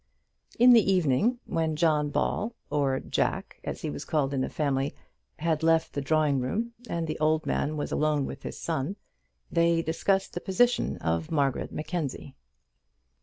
In the evening, when John Ball, or Jack, as he was called in the family, had left the drawing room, and the old man was alone with his son, they discussed the position of Margaret Mackenzie.